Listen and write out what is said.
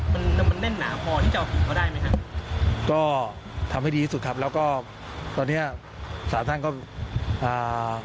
มันมันแน่นหนาพอที่จะเอาผิดเขาได้ไหมฮะก็ทำให้ดีที่สุดครับแล้วก็ตอนเนี้ยสารท่านก็อ่า